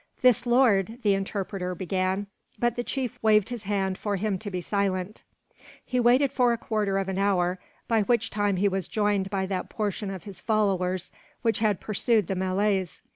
"This lord " the interpreter began, but the chief waved his hand for him to be silent. He waited for a quarter of an hour, by which time he was joined by that portion of his followers which had pursued the Malays.